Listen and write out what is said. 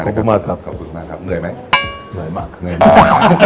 นึกถึงมากครับขอบคุณมากครับเหนื่อยไหมเหนื่อยมากเหนื่อยมาก